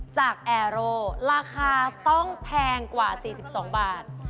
จากแอโรราคาต้องแพงกว่า๔๒บาท